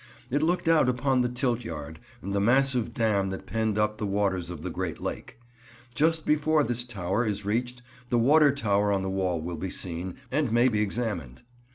It looked out upon the Tilt Yard and the massive dam that penned up the waters of the Great Lake. Just before this tower is reached the Water Tower on the wall will be seen, and may be examined.